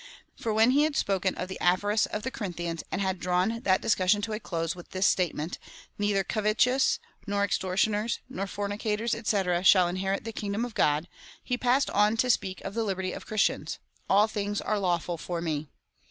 For when he had spoken of the avarice of the Corinthians, and had drawn that discussion to a close with this statement — Neither covetous, nor extortioners, nor forni cators, &c,, shall inherit the kingdom of God, he passed on to speak of the liberty of Christians — All things are lawful for me.